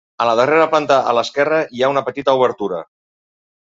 A la darrera planta a l'esquerra hi ha una petita obertura.